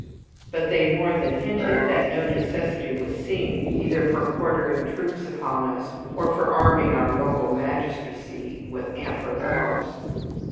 But they more than hinted that no necessity was seen either for quartering troops upon us, or for arming our local magistracy with ampler powers.